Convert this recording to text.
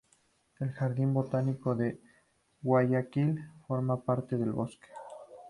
El Jardín Botánico de Guayaquil forma parte del bosque.